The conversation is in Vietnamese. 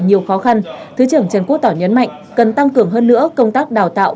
nhiều khó khăn thứ trưởng trần quốc tỏ nhấn mạnh cần tăng cường hơn nữa công tác đào tạo